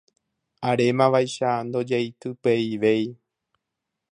arémavaicha ndojeitypeivéi